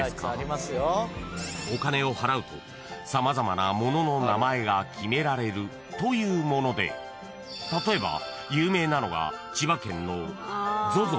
［お金を払うと様々なものの名前が決められるというもので例えば有名なのが］